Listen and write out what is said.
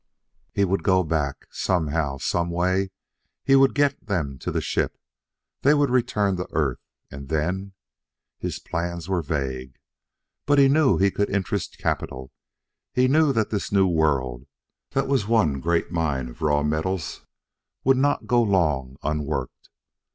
He would go back. Somehow, some way, he would get them to the ship. They would return to Earth. And then.... His plans were vague. But he knew he could interest capital; he knew that this new world, that was one great mine of raw metals, would not go long unworked.